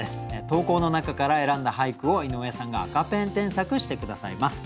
投稿の中から選んだ俳句を井上さんが赤ペン添削して下さいます。